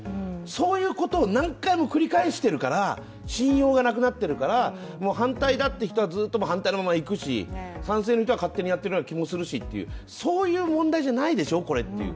そういうことを何回も繰り返してるから信用がなくなってるから反対だって人はずっと反対のままでいくし賛成の人は勝手にやってくれという気もするしそういう問題じゃないでしょ、これっていう。